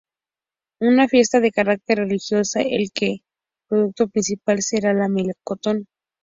Una fiesta de carácter religiosa en el que el producto principal será el melocotón.